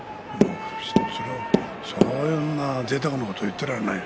そんなぜいたくなことは言っていられないよ。